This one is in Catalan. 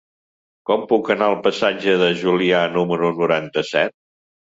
Com puc anar al passatge de Julià número noranta-set?